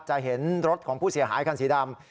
จะเห็นรถของผู้เสียหายคันสีดำ